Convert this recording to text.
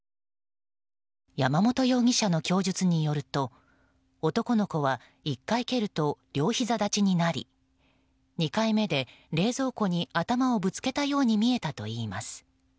山本容疑者の供述によると男の子は１回蹴ると両ひざ立ちになり２回目で、冷蔵庫に頭をぶつけたように見えたといいます。